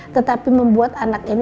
tetapi membuat anak anaknya berbakat